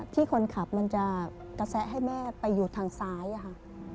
ที่คนขับมันจะกระแสะให้แม่ไปอยู่ทางซ้ายค่ะ